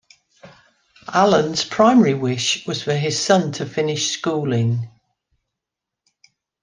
Alan's primary wish was for his son to finish schooling.